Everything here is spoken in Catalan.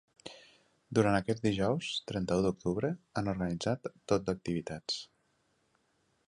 Durant aquest dijous trenta-u d’octubre, han organitzat tot d’activitats.